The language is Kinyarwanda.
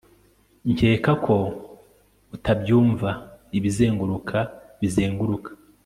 Nkeka ko utabyumvaIbizenguruka bizenguruka